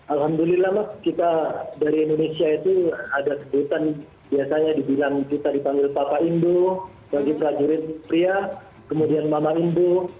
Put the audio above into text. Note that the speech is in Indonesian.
alhamdulillah mas kita dari indonesia itu ada sebutan biasanya dibilang kita dipanggil papa indu bagi prajurit pria kemudian mama indu